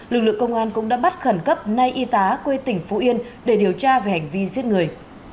lực lượng công an cũng đã bắt khẩn cấp nay y tá quê tỉnh phú yên để điều tra về hành vi giết người